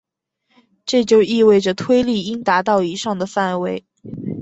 这就意味着推力应达到以上的范围。